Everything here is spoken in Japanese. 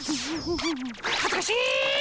はずかしっ！